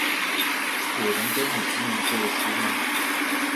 有人跟你唸過詩嗎